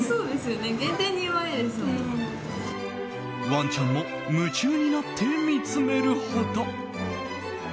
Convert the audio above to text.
ワンちゃんも夢中になって見つめるほど。